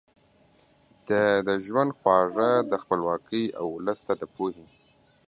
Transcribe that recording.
ده د ژوند خواږه د خپلواکۍ او ولس ته د پوهې